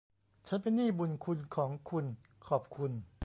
ฉันเป็นหนี้บุณคุณของคุณ ขอบคุณ